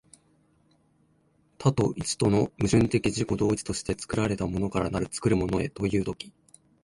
多と一との矛盾的自己同一として、作られたものから作るものへという時、